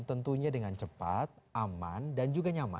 tentunya dengan cepat aman dan juga nyaman